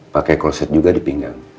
pakai konsep juga di pinggang